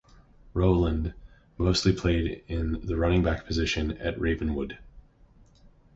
Rowland mostly played in the running back position at Ravenwood.